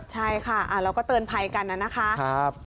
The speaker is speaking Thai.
ใช่ค่ะเราก็เตือนภัยกันนะคะ